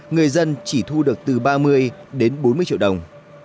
người dân chỉ thu được từ ba mươi đến bốn mươi triệu đồng